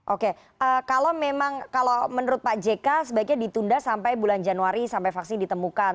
oke kalau memang kalau menurut pak jk sebaiknya ditunda sampai bulan januari sampai vaksin ditemukan